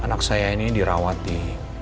anak saya ini dirawat di